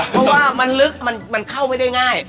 เพราะว่ามันลึกมันเข้าไม่ได้ง่าย